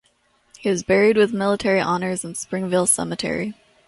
He was buried with military honours in Springvale cemetery.